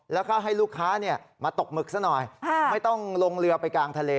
แล้วก็ให้ลูกค้ามาตกหมึกซะหน่อยไม่ต้องลงเรือไปกลางทะเล